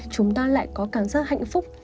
chúng ta lại có cảm giác hạnh phúc